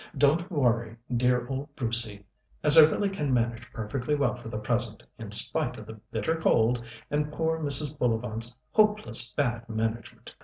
Don't worry, dear old Brucey, as I really can manage perfectly well for the present, in spite of the bitter cold and poor Mrs. Bullivant's hopeless bad management.